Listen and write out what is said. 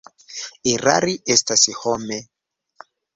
Erari estas home.